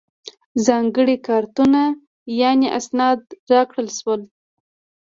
ځانګړي کارتونه یعنې اسناد راکړل شول.